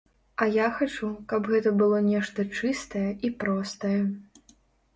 А я хачу, каб гэта было нешта чыстае і простае.